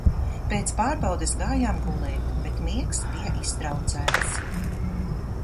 Pēc pārbaudes gājām gulēt, bet miegs bija iztraucēts.